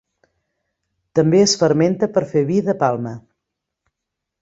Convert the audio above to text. També es fermenta per fer vi de palma.